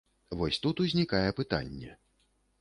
Вось тут узнікае пытанне.